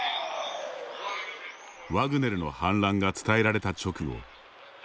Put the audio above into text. ワグネルの反乱が伝えられた直後。